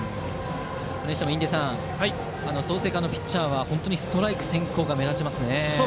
それにしても印出さん創成館のピッチャーはストライク先行が目立ちますね。